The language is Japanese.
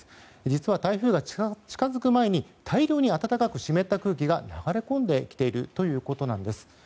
実は台風が近づく前に大量に暖かく湿った空気が流れ込んできているということなんです。